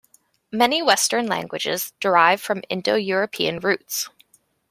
Many Western languages derive from Indo-European roots